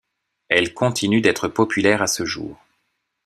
Elles continuent d'être populaires à ce jour.